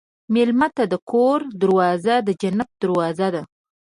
مېلمه ته د کور دروازه د جنت دروازه ده.